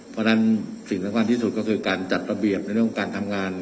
เพราะฉะนั้นสิ่งสำคัญที่สุดก็คือการจัดระเบียบในเรื่องการทำงาน